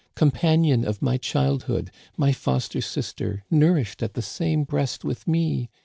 219 "companion of my childhood, my foster sister, nour ished at the same breast with me